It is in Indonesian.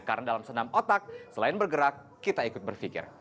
karena dalam senam otak selain bergerak kita ikut berpikir